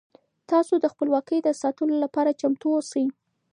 تاسو د خپلواکۍ د ساتلو لپاره چمتو اوسئ.